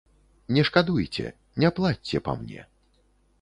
Не шкадуйце, не плачце па мне.